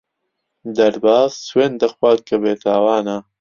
دەرباز سوێند دەخوات کە بێتاوانە.